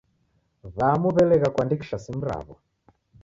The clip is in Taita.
W'amu w'elegha kuandikisha simu raw'o.